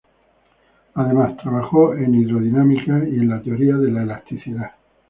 Además, trabajó en hidrodinámica y en la teoría de la elasticidad.